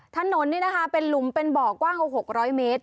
ถนนนี่นะคะเป็นหลุมเป็นบ่อกว้างกว่า๖๐๐เมตร